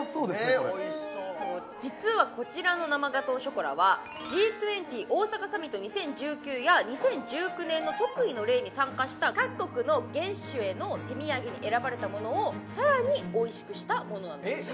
これねっおいしそう実はこちらの生ガトーショコラはＧ２０大阪サミット２０１９や２０１９年の即位の礼に参加した各国の元首への手土産に選ばれたものをさらにおいしくしたものなんですえっ